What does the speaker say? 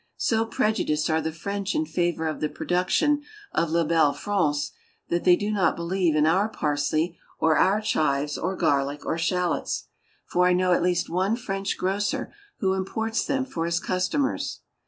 So prejudiced are the French in favor of the productions of la belle France, that they do not believe in our parsley or our chives or garlic or shallots; for I know at least one French grocer who imports them for his customers.